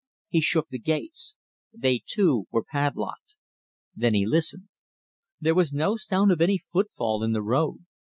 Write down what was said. He shook the gates. They, too, were padlocked. Then he listened. There was no sound of any footfall in the road.